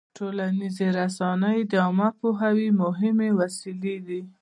ټولنیزې رسنۍ د عامه پوهاوي مهمې وسیلې دي.